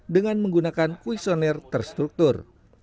dengan menggunakan kuisoner terstruktur